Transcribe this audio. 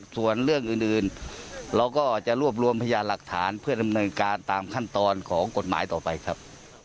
ส่วนเรื่องอื่นเราก็จะรวบรวมพยานหลักฐานเพื่อดำเนินการตามขั้นตอนของกฎหมายต่อไปครับ